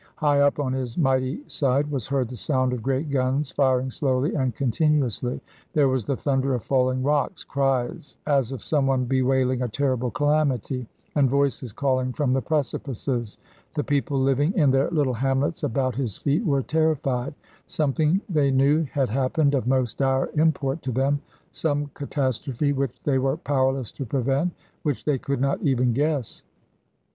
High up on his mighty side was heard the sound of great guns firing slowly and continuously; there was the thunder of falling rocks, cries as of someone bewailing a terrible calamity, and voices calling from the precipices. The people living in their little hamlets about his feet were terrified. Something they knew had happened of most dire import to them, some catastrophe which they were powerless to prevent, which they could not even guess.